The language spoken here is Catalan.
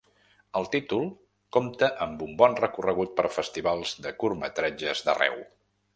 El títol compta amb un bon recorregut per festivals de curtmetratges d’arreu.